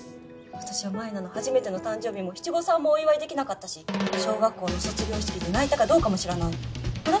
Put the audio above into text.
私は舞菜の初めての誕生日も七五三もお祝いできなかったし小学校の卒業式で泣いたかどうかも知らないあれ？